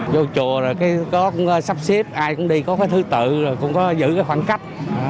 vô chùa có sắp xếp ai cũng đi có thứ tự cũng có giữ khoảng cách